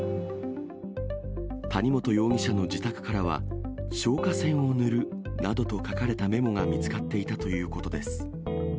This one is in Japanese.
谷本容疑者の自宅からは、消火栓を塗るなどと書かれたメモが見つかっていたということです。